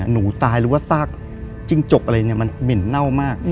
หนูตายหรือว่าซากจิ้งจกอะไรเนี่ยมันเหม็นเน่ามาก